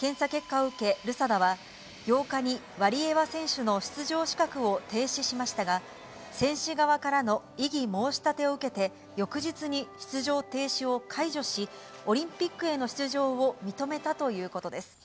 検査結果を受けルサダは、８日にワリエワ選手の出場資格を停止しましたが、選手側からの異議申し立てを受けて、翌日に出場停止を解除し、オリンピックへの出場を認めたということです。